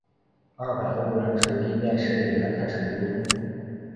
二百欧元纸币面世以来开始流通。